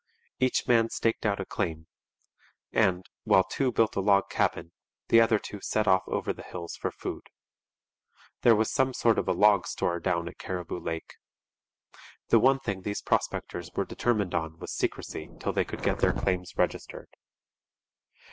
Each man staked out a claim. And, while two built a log cabin, the other two set off over the hills for food. There was some sort of a log store down at Cariboo Lake. The one thing these prospectors were determined on was secrecy till they could get their claims registered.